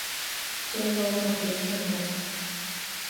最后用兵进攻。